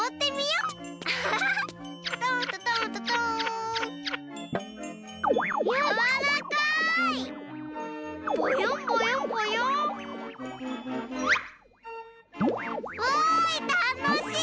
うわいたのしい！